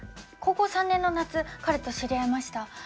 高校３年の夏彼と知り合いました。